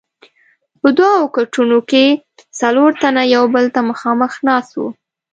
په دوو کټونو کې څلور تنه یو بل ته مخامخ ناست وو.